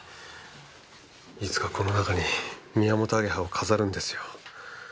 いつかこの中にミヤモトアゲハを飾るんですよ。